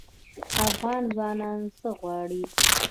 افغان ځوانان څه غواړي؟